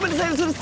す